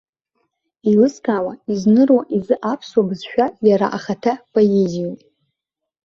Еилызкаауа, изныруа изы аԥсуа бызшәа иара ахаҭа поезиоуп.